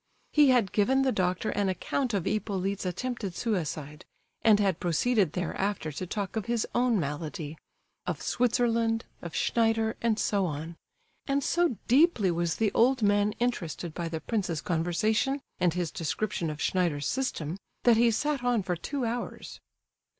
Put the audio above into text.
He had given the doctor an account of Hippolyte's attempted suicide; and had proceeded thereafter to talk of his own malady,—of Switzerland, of Schneider, and so on; and so deeply was the old man interested by the prince's conversation and his description of Schneider's system, that he sat on for two hours.